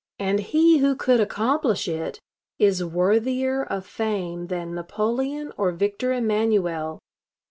And he who could accomplish it is worthier of fame than Napoleon or Victor Emmanuel....